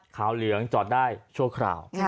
ขาวเหลืองจอดได้ชั่วคราว